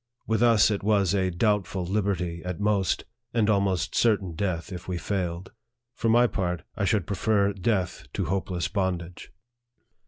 With us it was a doubtful liberty at most, and almost certain death if we failed. For my part, I should prefer death to hopeless bondage.